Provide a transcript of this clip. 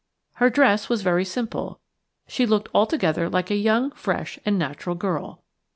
Her dress was very simple; she looked altogether like a young, fresh, and natural girl.